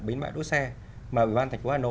bến bãi đỗ xe mà ubnd tp hcm